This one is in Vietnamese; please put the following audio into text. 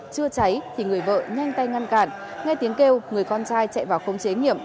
chưa cháy thì người vợ nhanh tay ngăn cản ngay tiếng kêu người con trai chạy vào không chế nghiệm